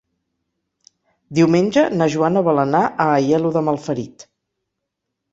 Diumenge na Joana vol anar a Aielo de Malferit.